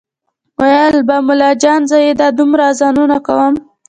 ویل به ملا جان زه چې دا دومره اذانونه کوم